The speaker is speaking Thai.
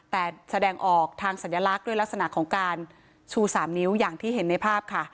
แต่แสดงออกทางสัญลักษณ์ด้วยลักษณะของการชู๓นิ้วอย่างที่เห็นในภาพค่ะ